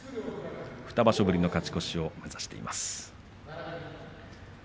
２場所ぶりの勝ち越しを目指しています。